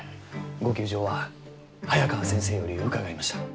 ご窮状は早川先生より伺いました。